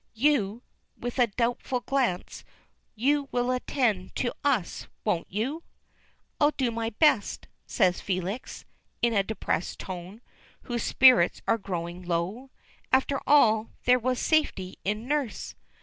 "You," with a doubtful glance, "you will attend to us, won't you?" "I'll do my best," says Felix, in a depressed tone, whose spirits are growing low. After all, there was safety in nurse!